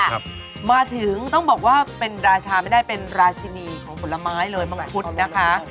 ครับมาถึงต้องบอกว่าเป็นราชาไม่ได้เป็นราชินีของผลไม้เลยมังคุดนะคะ